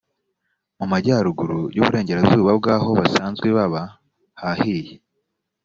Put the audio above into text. mu majyaruguru y uburengerazuba bw aho basanzwe baba hahiye